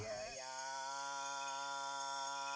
mendongeng adalah cara mereka menurunkan ajaran kebarang